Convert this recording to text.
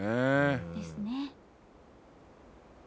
ですね。